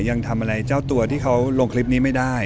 ยังทำอะไรเจ้าตัวที่เขาลงคลิปนี้ไม่ได้